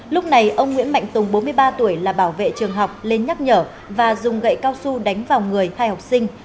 lúc này ông nguyễn mạnh tùng bốn mươi ba tuổi là bảo vệ trường học lên nhắc nhở và dùng gậy cao su đánh vào người hai học sinh